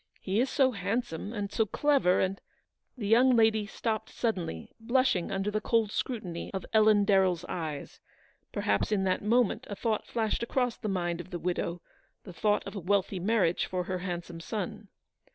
He is so handsome, and so clever, and— " The young lady stopped suddenly, blushing under the cold scrutiny of Ellen DarrelFs eyes. Perhaps in that moment a thought flashed across the mind of the widow ; the thought of a wealthy marriage for her handsome son.